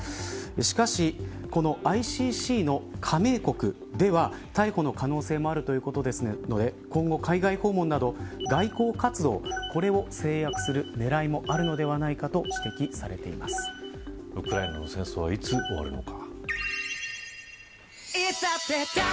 しかし、このＩＣＣの加盟国では逮捕の可能性もあるということですので今後、海外訪問など外交活動これを制約する狙いもあるのではウクライナの戦争はいつ終わるのか。